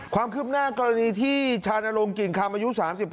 ความคืบหน้ากรณีที่ชานลงกิ่งคำอายุ๓๕